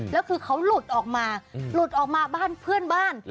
แล้วคือเขาหลุดออกมาหลุดออกมาบ้านเพื่อนบ้าน